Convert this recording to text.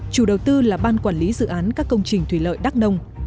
chủ đầu tư là ban quản lý dự án các công trình thủy lợi đắc nông